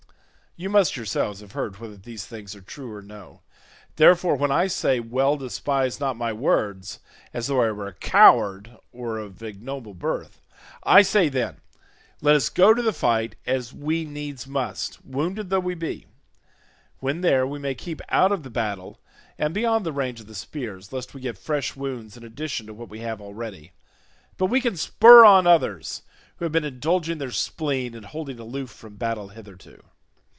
You must yourselves have heard whether these things are true or no; therefore when I say well despise not my words as though I were a coward or of ignoble birth. I say, then, let us go to the fight as we needs must, wounded though we be. When there, we may keep out of the battle and beyond the range of the spears lest we get fresh wounds in addition to what we have already, but we can spur on others, who have been indulging their spleen and holding aloof from battle hitherto."